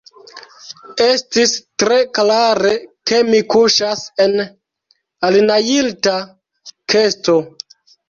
Estis tre klare, ke mi kuŝas en alnajlita kesto.